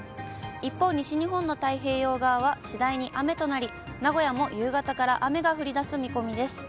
一方、西日本の太平洋側は次第に雨となり、名古屋も夕方から雨が降りだす見込みです。